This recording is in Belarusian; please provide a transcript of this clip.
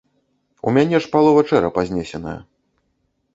У мяне ж палова чэрапа знесеная.